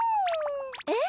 えっ？